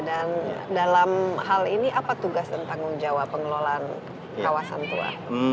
dan dalam hal ini apa tugas dan tanggung jawab pengelolaan kawasan tua